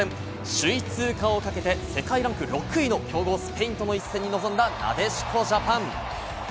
首位通過をかけて世界ランク６位の強豪・スペインとの一戦に臨んだ、なでしこジャパン。